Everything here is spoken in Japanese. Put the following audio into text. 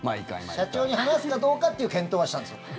社長に話すかどうかという検討はしたんですよ。